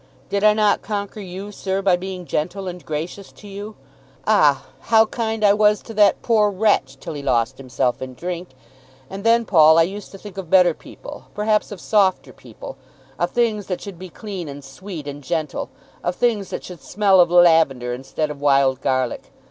Did I not conquer you, sir, by being gentle and gracious to you? Ah, how kind I was to that poor wretch, till he lost himself in drink! And then, Paul, I used to think of better people, perhaps of softer people, of things that should be clean and sweet and gentle, of things that should smell of lavender instead of wild garlic.